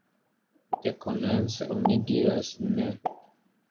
Dekomence, oni diras Ne!